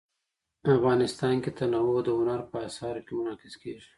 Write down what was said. افغانستان کې تنوع د هنر په اثار کې منعکس کېږي.